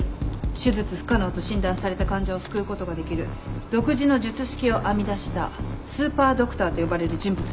手術不可能と診断された患者を救うことができる独自の術式を編み出したスーパードクターと呼ばれる人物です。